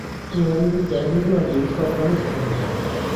Um homem de terno irlandês tocando os canos.